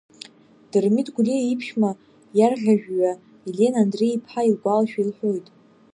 Дырмит Гәлиа иԥшәма, иарӷьажәҩа Елена Андреи-иԥҳа илгәалашәо илҳәоит…